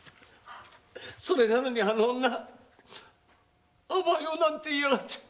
それなのにあの女「あばよ」なんて言いやがって。